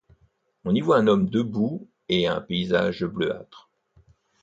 On y voit un homme debout et un paysage bleuâtre.